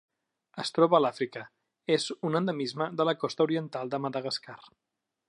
Es troba a Àfrica: és un endemisme de la costa oriental de Madagascar.